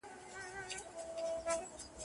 ، ویرجینیا